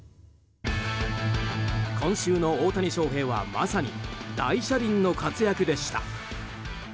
今週の大谷翔平はまさに大車輪の活躍でした。